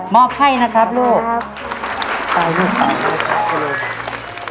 มอบให้นะครับลูกขอบคุณครับขอบคุณครับ